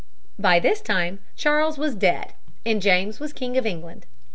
By this time Charles was dead, and James was King of England.